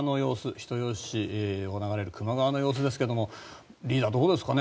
人吉市を流れる球磨川の様子ですがリーダー、どうですかね。